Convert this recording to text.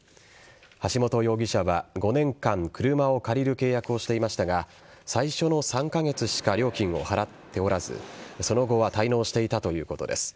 橋本容疑者は、５年間車を借りる契約をしていましたが最初の３カ月しか料金を払っておらずその後は滞納していたということです。